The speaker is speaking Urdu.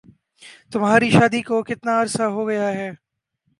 تمہاری شادی کو کتنا عرصہ ہو گیا ہے؟